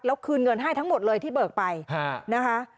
แล้วคืนเงินให้ทั้งหมดเลยที่เบิกไปนะคะ